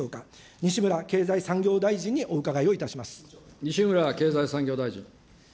西村経済産業大臣にお伺いをいた西村経済産業大臣。